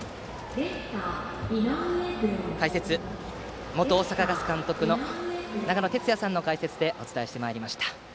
解説は元大阪ガス監督の長野哲也さんの解説でお伝えしました。